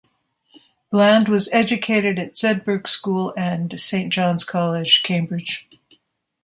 Bland was educated at Sedbergh School and Saint John's College, Cambridge.